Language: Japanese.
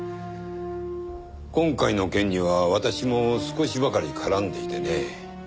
今回の件には私も少しばかり絡んでいてね。